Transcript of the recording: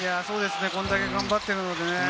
これだけ頑張ってるのでね。